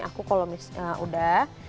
aku kalau udah